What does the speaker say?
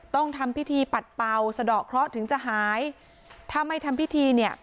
ต้องทำพิธีปัดเป่าสะดอกเคราะห์ถึงจะหายถ้าไม่ทำพิธีเนี่ย